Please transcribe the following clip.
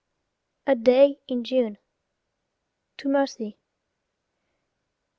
A DAY IN JUNE. (To Mercy.)